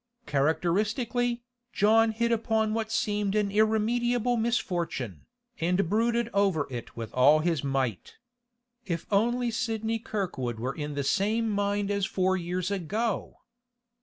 Characteristically, John hit upon what seemed an irremediable misfortune, and brooded over it with all his might. If only Sidney Kirkwood were in the same mind as four years ago!